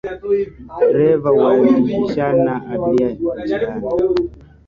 Dereva walibishania abiria njiani